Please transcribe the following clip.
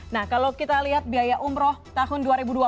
nah kalau kita lihat biaya umroh tahun dua ribu dua puluh